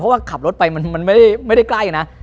เพราะว่าขับรถไปมันไม่ได้ใกล้นะ